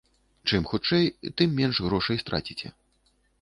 Чым хутчэй, тым менш грошай страціце.